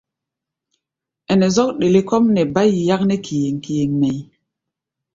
Ɛnɛ zɔ́k ɗele kɔ́ʼm nɛ bá yi yáknɛ́ kíéŋ-kíéŋ mɛʼí̧.